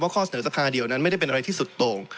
ข้อเสนอสภาเดียวนั้นไม่ได้เป็นอะไรที่สุดโต่ง